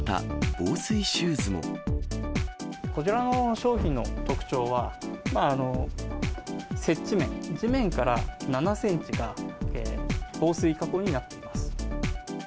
こちらの商品の特徴は、接地面、地面から７センチが防水加工になっています。